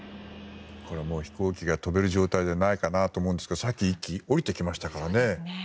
飛行機が飛べる状態じゃないかなと思いますけどさっき１機降りてきましたからね。